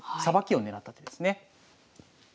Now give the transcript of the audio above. さばきを狙った手ですね。